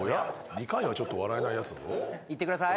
２回はちょっと笑えないやつだぞいってください